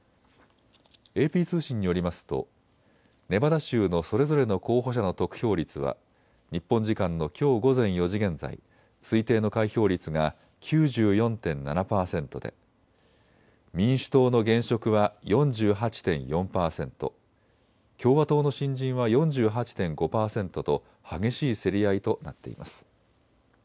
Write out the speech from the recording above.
ＡＰ通信によりますとネバダ州のそれぞれの候補者の得票率は日本時間のきょう午前４時現在、推定の開票率が９４．７％で民主党の現職は４８．４％、共和党の新人は４８．５％と激しい競り合いとなっています。